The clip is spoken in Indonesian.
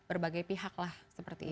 jadi berbagai pihak lah seperti itu